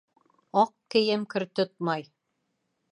Аҡ кейем кер тотмай.